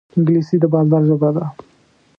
انګلیسي د بازار ژبه ده